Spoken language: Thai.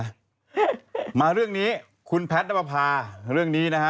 มาเรื่องนี้คุณแพทย์นับประพาเรื่องนี้นะฮะ